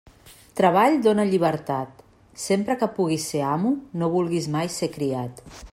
Treball dóna llibertat; sempre que puguis ser amo, no vulguis mai ser criat.